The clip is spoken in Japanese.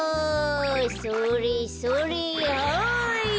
それそれはい！